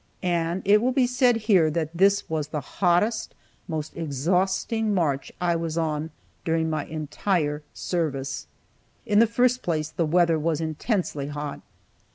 And it will be said here that this was the hottest, most exhausting march I was on during my entire service. In the first place, the weather was intensely hot.